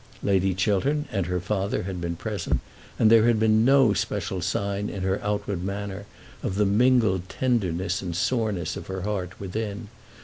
Lady Chiltern and her father had been present, and there had been no special sign in her outward manner of the mingled tenderness and soreness of her heart within.